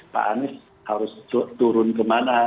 pak anies harus turun kemana